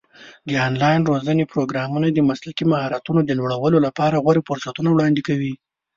د آنلاین روزنې پروګرامونه د مسلکي مهارتونو د لوړولو لپاره غوره فرصتونه وړاندې کوي.